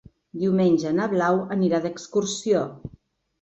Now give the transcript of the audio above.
Diumenge na Blau anirà d'excursió.